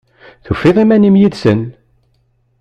Tufiḍ iman-im yid-sen?